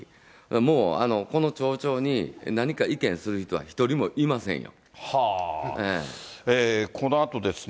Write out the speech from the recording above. もうこの町長に何か意見する人は一人もいませんよ。